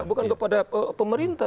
bukan kepada pemerintah